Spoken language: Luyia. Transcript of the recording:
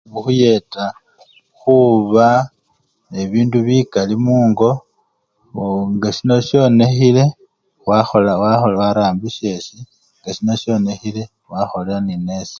Bukhuyeta khuba nebindu bikali mungo mboo nga sino syonekhile, khwakhola! wakhola! warambisya esii ngasino syonekhile wakhola nenesi.